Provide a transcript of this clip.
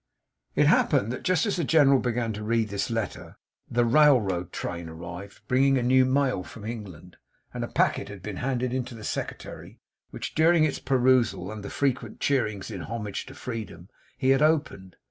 It happened that just as the General began to read this letter, the railroad train arrived, bringing a new mail from England; and a packet had been handed in to the Secretary, which during its perusal and the frequent cheerings in homage to freedom, he had opened.